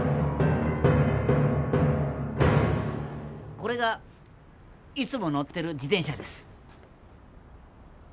これがいつも乗ってる自転車です。